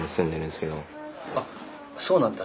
あそうなんだ。